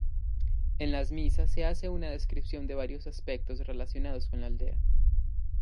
En las mismas se hace una descripción de varios aspectos relacionados con la aldea.